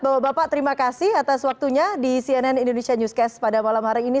bapak bapak terima kasih atas waktunya di cnn indonesia newscast pada malam hari ini